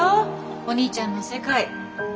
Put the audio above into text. お兄ちゃんの世界。